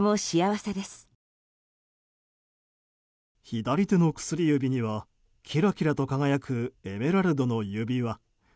左手の薬指にはキラキラと輝くエメラルドの指輪。